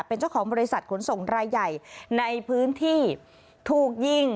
เป็นเจ้าของบริษัทขนส่งรายใหญ่ในพื้นที่ถูกยิง